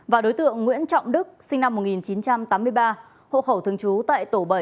và đối tượng nguyễn trọng đức sinh năm một nghìn chín trăm tám mươi ba hộ khẩu thường trú tại tổ bảy